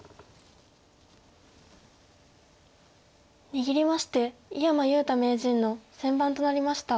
握りまして井山裕太名人の先番となりました。